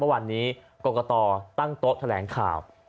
วันนี้กรกตตั้งโต๊ะแถลงข่าว